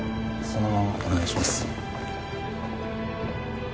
そのままお願いします。